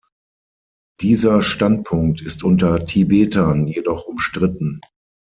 Dieser Standpunkt ist unter Tibetern jedoch umstritten.